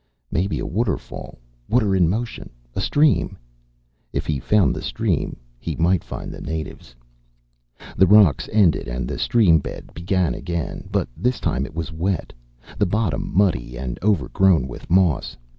Maybe a waterfall, water in motion. A stream. If he found the stream he might find the natives. The rocks ended and the stream bed began again, but this time it was wet, the bottom muddy and overgrown with moss.